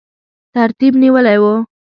ترتیب نیولی وو.